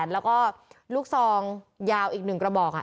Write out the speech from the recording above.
แล้วก็ลูกซองยาวอีก๑กระบอก